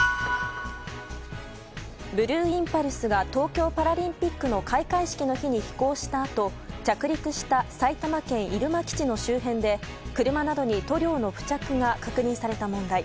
ブルーインパルスが東京パラリンピックの開会式の日に飛行したあと着陸した埼玉県入間基地の周辺で車などに塗料の付着が確認された問題。